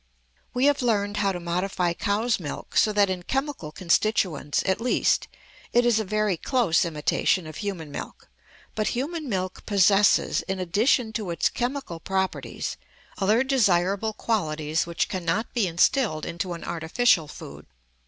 We have learned how to modify cow's milk so that in chemical constituents, at least, it is a very close imitation of human milk; but human milk possesses, in addition to its chemical properties, other desirable qualities which cannot be instilled into an artificial food.